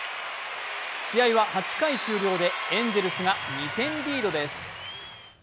試合は８回終了でエンゼルスが２点リードです。